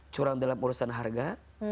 curang dalam urusan harga